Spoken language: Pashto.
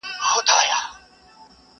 په دې تاریکو افسانو کي ریشتیا ولټوو!!